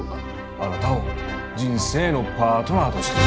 あなたを人生のパートナーとして迎えたい。